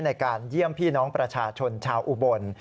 ในการเยี่ยมพี่น้องประชาชนชาวอุบล